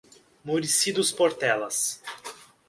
Murici dos Portelas